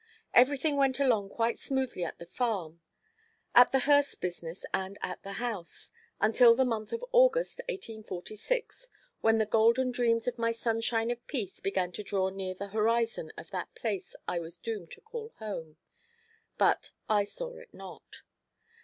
Everything went along quite smoothly at the farm, at the hearse business, and at the house, until the month of August, 1846, when the golden dreams of my sunshine of peace began to draw near the horizon of that place I was doomed to call home; but I saw it not.